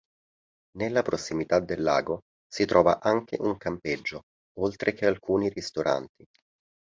Nelle prossimità del lago si trova anche un campeggio, oltre che alcuni ristoranti.